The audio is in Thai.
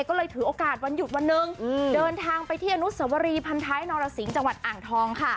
ก็เลยถือโอกาสวันหยุดวันหนึ่งเดินทางไปที่อนุสวรีพันท้ายนรสิงห์จังหวัดอ่างทองค่ะ